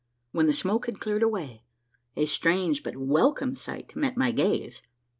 When the smoke had cleared away, a strange but welcome sight met my gaze.